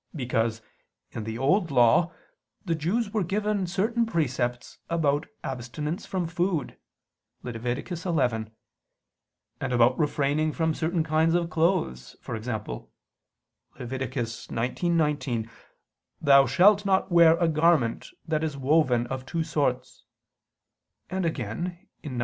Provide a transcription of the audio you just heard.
Because, in the Old Law, the Jews were given certain precepts about abstinence from food (Lev. 11); and about refraining from certain kinds of clothes, e.g. (Lev. 19:19): "Thou shalt not wear a garment that is woven of two sorts"; and again (Num.